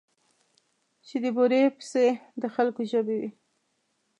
چې د بورې پسې د خلکو ژبې وې.